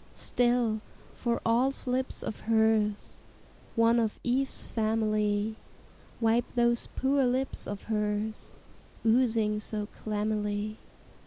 Still, for all slips of hers, One of Eve's family, Wipe those poor lips of hers, Oozing so clammily.